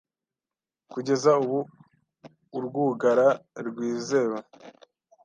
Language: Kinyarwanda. Kugeza ubu urwugara rwizewe